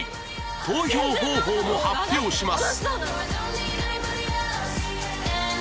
投票方法も発表します